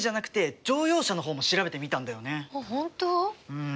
うん。